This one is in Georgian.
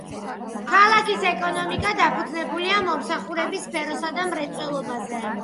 ქალაქის ეკონომიკა დაფუძნებულია მომსახურების სფეროსა და მრეწველობაზე.